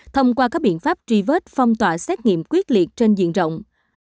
thông qua các biện pháp truy vết phong tỏa xét nghiệm quyết liệt trên diện rộng